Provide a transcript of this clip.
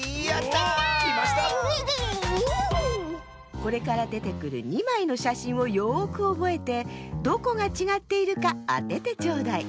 これからでてくる２まいのしゃしんをよくおぼえてどこがちがっているかあててちょうだい。